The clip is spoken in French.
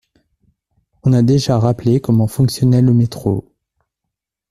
On a déjà rappelé comment fonctionnait le métro.